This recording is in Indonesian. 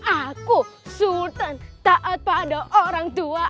aku sultan taat pada orang tua